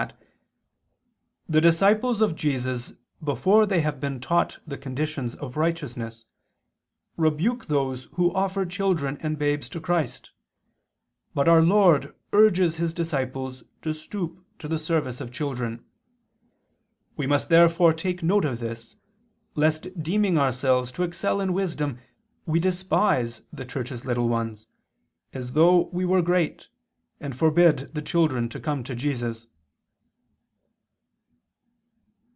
that "the disciples of Jesus before they have been taught the conditions of righteousness [*Cf. Matt. 19:16 30], rebuke those who offer children and babes to Christ: but our Lord urges His disciples to stoop to the service of children. We must therefore take note of this, lest deeming ourselves to excel in wisdom we despise the Church's little ones, as though we were great, and forbid the children to come to Jesus."